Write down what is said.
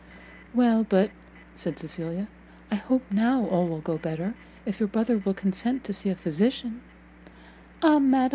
"Well but," said Cecilia, "I hope, now, all will go better; if your brother will consent to see a physician " "Ah, madam!